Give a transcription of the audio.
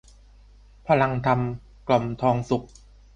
พลังธรรม กล่อมทองสุข